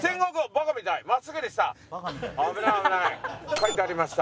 書いてありました。